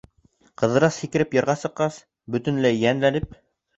Ҡыҙырас, һикереп ярға сыҡҡас, бөтөнләй йәнләнеп: